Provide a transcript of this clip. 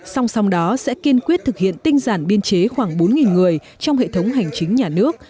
song song đó sẽ kiên quyết thực hiện tinh giản biên chế khoảng bốn người trong hệ thống hành chính nhà nước